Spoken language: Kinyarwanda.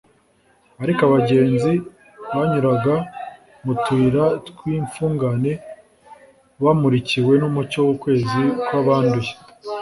ariko abagenzi banyuraga mu tuyira tw'itnfungane bamurikiwe n'umucyo w'ukwezi kwabanduye.